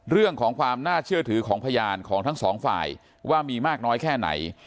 เรื่องของความน่าเชื่อถือของพยานของทั้งสองฝ่ายว่ามีมากน้อยแค่ไหน